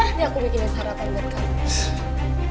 aku bikin sarapan buat kamu